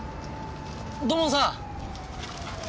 土門さん！